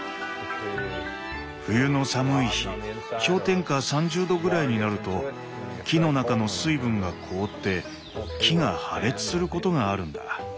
冬の寒い日氷点下３０度ぐらいになると木の中の水分が凍って木が破裂することがあるんだ。